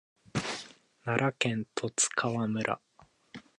奈良県十津川村